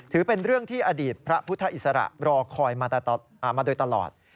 ถือเป็นเรื่องที่อดีตพระพุทธอิสระรอคอยมาโดยตลอด